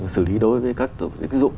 xử lý đối với các dụng